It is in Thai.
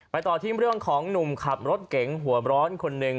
ต่อที่เรื่องของหนุ่มขับรถเก๋งหัวร้อนคนหนึ่ง